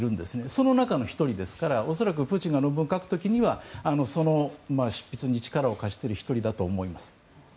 その中の１人ですから、恐らくプーチンが論文を書く時にはその執筆に力を貸している１人だと思います。